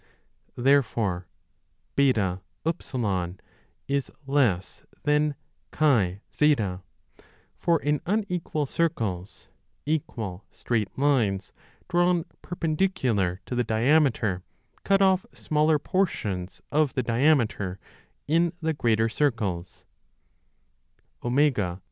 Therefore BT is less than XZ ; for in unequal circles equal straight lines drawn per pendicular to the diameter cut off smaller portions of the diameter in the greater circles ; 12T and Z being equal.